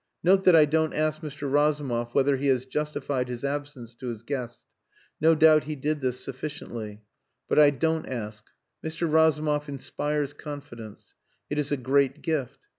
Note that I don't ask Mr. Razumov whether he has justified his absence to his guest. No doubt he did this sufficiently. But I don't ask. Mr. Razumov inspires confidence. It is a great gift.